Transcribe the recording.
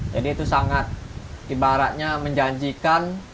jadi itu sangat ibaratnya menjanjikan